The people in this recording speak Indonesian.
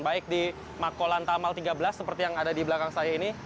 baik di makolan tamal tiga belas seperti yang ada di belakang saya ini